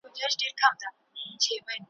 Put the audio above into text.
دعا ګاني و سجدې کړې خدای قبولي